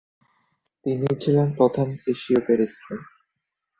তিনিই ছিলেন প্রথম এশীয় ব্যারিস্টার।